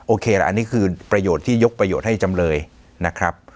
โอเคละอันนี้คือประโยชน์ที่ยกประโยชน์ให้จำเลยนะครับ